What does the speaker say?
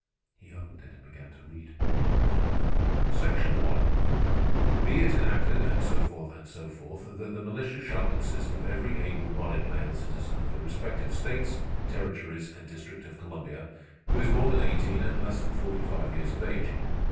He opened it and began to read: "'Section One, be it enacted, and so forth and so forth, that the militia shall consist of every able bodied male citizen of the respective states, territories, and District of Columbia, who is more than eighteen and less than forty five years of age.